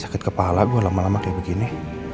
sakit kepala gue lama lama kayak begini